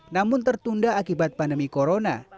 namun tertunda akibat pandemi corona